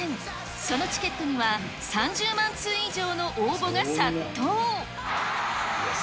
そのチケットには３０万通以上の応募が殺到。